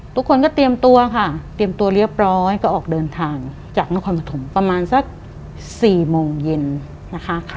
ทุกคนก็เตรียมตัวค่ะเตรียมตัวเรียบร้อยก็ออกเดินทางจากนครปฐมประมาณสัก๔โมงเย็นนะคะ